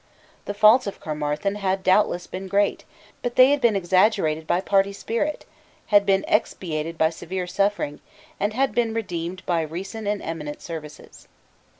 The faults of Caermarthen had doubtless been great; but they had been exaggerated by party spirit, had been expiated by severe suffering, and had been redeemed by recent and eminent services.